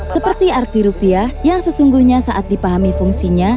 seperti arti rupiah yang sesungguhnya saat dipahami fungsinya